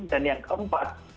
dan yang keempat